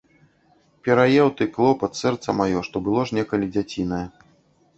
Пераеў ты, клопат, сэрца маё, што было ж некалі дзяцінае.